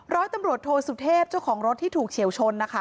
ร้อยตำรวจโทสุเทพเจ้าของรถที่ถูกเฉียวชนนะคะ